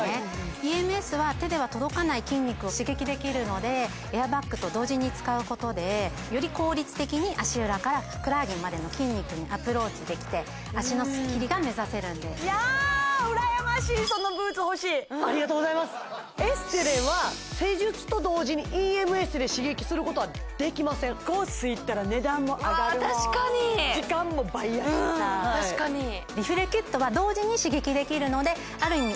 ＥＭＳは手では届かない筋肉を刺激できるのでエアバッグと同時に使うことでより効率的に足裏からふくらはぎまでの筋肉にアプローチできて脚のスッキリが目指せるんですやうらやましいありがとうございますエステでは施術と同時にＥＭＳで刺激することはできませんコースいったら値段も上がる確かにうん確かにリフレキュットは同時に刺激できるのである意味